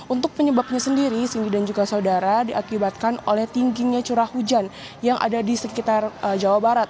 untuk penyebabnya sendiri cindy dan juga saudara diakibatkan oleh tingginya curah hujan yang ada di sekitar jawa barat